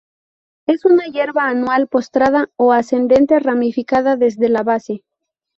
Es una hierba anual, postrada o ascendente, ramificada desde la base.